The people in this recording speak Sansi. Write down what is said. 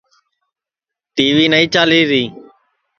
ٹی وی نائی چالیری